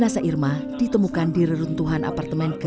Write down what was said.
ntar ulangulidah destruis joget crossing